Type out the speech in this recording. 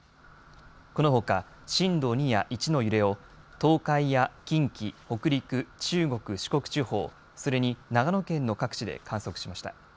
このほか震度２や１の揺れを東海や近畿、北陸、中国・四国地方、それに長野県の各地で観測しました。